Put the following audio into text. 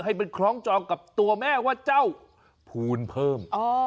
ให้เป็นครองจองกับตัวแม่วัดเจ้าภูนิเพิ่ม